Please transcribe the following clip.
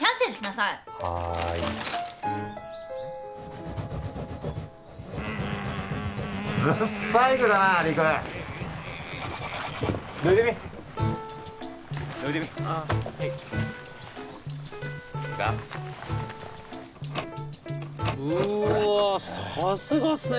さすがっすね